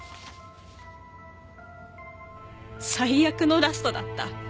最悪のラストだった。